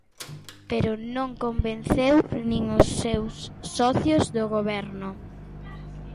Pero non convenceu nin os seus socios de Goberno.